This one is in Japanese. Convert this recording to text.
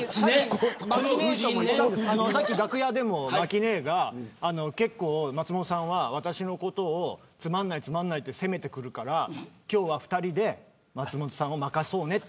さっき楽屋でも、摩季姉が松本さんは私のことをつまんないと攻めてくるから今日は２人で松本さんを負かそうねと。